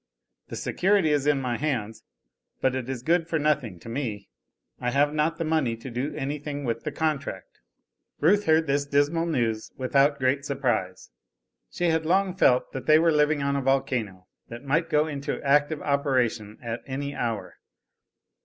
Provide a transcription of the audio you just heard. The security is in my hands, but it is good for nothing to me. I have not the money to do anything with the contract." Ruth heard this dismal news without great surprise. She had long felt that they were living on a volcano, that might go in to active operation at any hour.